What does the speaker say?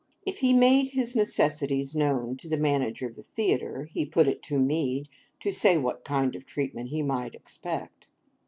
If he made his necessities known to the Manager of the Theatre, he put it to me to say what kind of treatment he might expect?